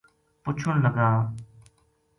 پُچھن لگا